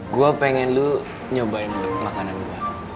gue pengen lu nyobain makanan gue